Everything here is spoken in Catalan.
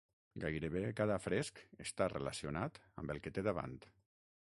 Gairebé cada fresc està relacionat amb el que té davant.